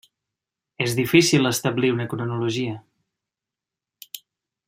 És difícil establir una cronologia.